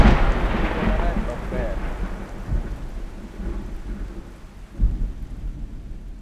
Kido marach ok ber.